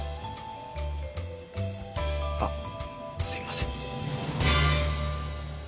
あっすいません。